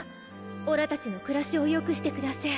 オラ達の暮らしをよくしてくだせぇ。